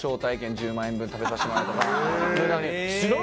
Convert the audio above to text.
１０万円分食べさせてもらえるとか。